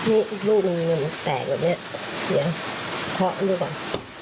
อีกลูกมันแปลกแบบนี้เดี๋ยวเคาะกันด้วยก่อน